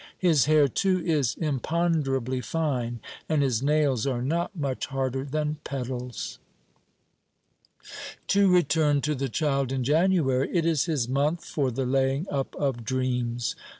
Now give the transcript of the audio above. His hair, too, is imponderably fine, and his nails are not much harder than petals. To return to the child in January. It is his month for the laying up of dreams.